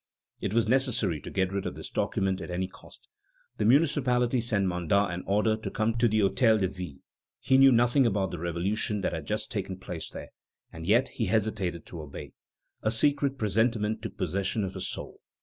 It was necessary to get rid of this document at any cost. The municipality sent Mandat an order to come to the Hôtel de Ville. He knew nothing about the revolution that had just taken place there. And yet he hesitated to obey. A secret presentiment took possession of his soul.